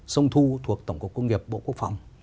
sông thu thuộc tổng cục công nghiệp bộ quốc phòng